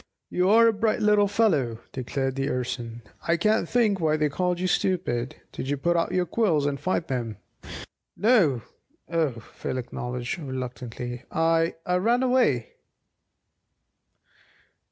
"You're a bright little fellow," declared the Urson; "I can't think why they called you 'stupid.' Did you put out your quills and fight them?" "No, o," Phil acknowledged reluctantly. "I I ran away."